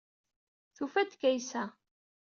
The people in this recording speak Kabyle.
Tufa-d Kaysa.